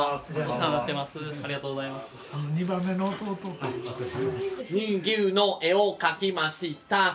乳牛の絵を描きました。